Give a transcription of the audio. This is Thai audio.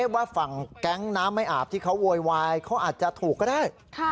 ว่าฝั่งแก๊งน้ำไม่อาบที่เขาโวยวายเขาอาจจะถูกก็ได้